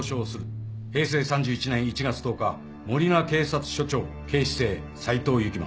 平成３１年１月１０日守名警察署長警視正斎藤幸真。